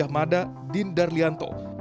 universitas gajah mada dindar lianto